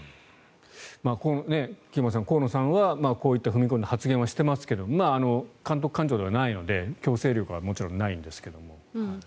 菊間さん、河野さんはこういった踏み込んだ発言はしていますが監督官庁ではないので、強制力はもちろんないんですけれども。